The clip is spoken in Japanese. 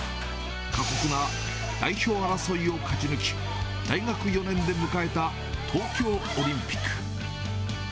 過酷な代表争いを勝ち抜き、大学４年で迎えた東京オリンピック。